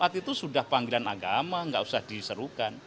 sholat jumat itu sudah panggilan agama gak usah diseruhkan